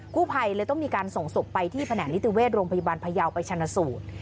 ผู้ภัยเลยต้องมีการส่งศพไปที่แผนกนิติเวชโรงพยาบาลพยาวไปชนสูตร